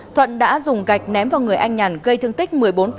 thuận đã dùng gạch ném vào người anh nhàn gây thương tích một mươi bốn